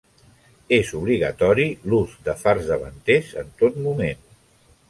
És obligatori l'ús de fars davanters en tot moment.